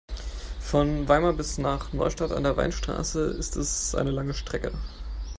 Von Weimar bis nach Neustadt an der Weinstraße ist es eine lange Strecke